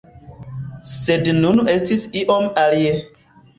Sed nun estis iom alie.